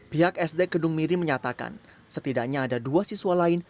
pihak sd kedung miri menyatakan setidaknya ada dua siswa lain